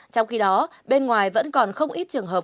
trong khi đó bên ngoài vẫn còn không ít trường hợp